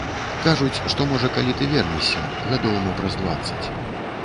Кажуць, што можа калі ты вернешся, гадоў мо праз дваццаць.